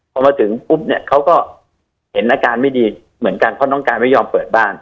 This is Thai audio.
พอมาถึงปุ๊บเนี่ยเขาก็เห็นอาการไม่ดีเหมือนกันเพราะน้องการไม่ยอมเปิดบ้าน